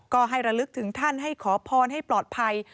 ก็ให้ระลึกถึงท่านให้ขอพรให้ปลอดภัย